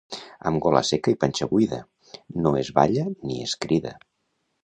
Amb gola seca i panxa buida, no es balla ni es crida.